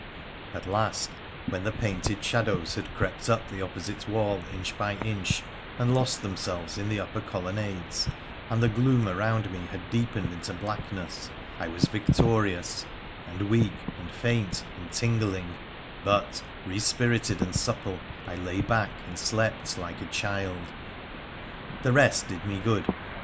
At last, when the painted shadows had crept up the opposite wall inch by inch and lost themselves in the upper colonnades, and the gloom around me had" deepened into blackness, I was victorious, and weak, and faint, and tingling ; but, respirited and supple, I lay back and slept like a child. This rest did me good.